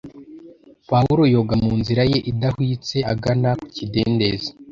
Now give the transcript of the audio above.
Pawulo yoga mu nzira ye idahwitse agana ku kidendezi